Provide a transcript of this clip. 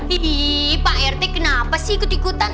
ini pak rt kenapa sih ikut ikutan